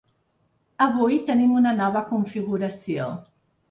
Avui tenim una nova configuració.